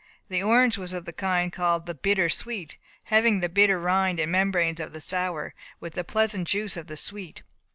The orange was of the kind called the "bitter sweet," having the bitter rind and membranes of the sour, with the pleasant juice of the sweet.